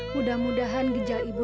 mudah mudahan ginjal ibu